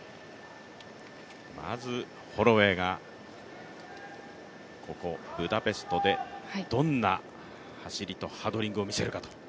まずホロウェイがここブダペストでどんな走りとハードリングを見せるかと。